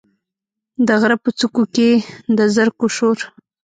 د غره په څوکو کې، د زرکو شور،